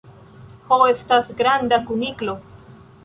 Ho estas granda kuniklo.